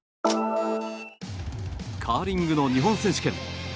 カーリングの日本選手権。